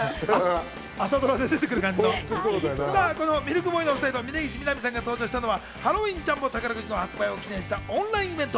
ミルクボーイのお２人と峯岸みなみさんが登場したのはハロウィンジャンボ宝くじの発売を記念したオンラインイベント。